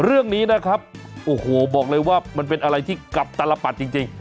เรื่องนี้นะครับโอ้โหบอกเลยว่ามันเป็นอะไรที่กับตลปัดจริง